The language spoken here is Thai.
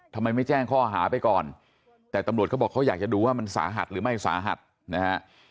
ทำไมไม่แจ้งข้อหาไปก่อนแต่ตำรวจเขาบอกเขาอยากจะดูว่ามันสาหัสหรือไม่สาหัสนะฮะ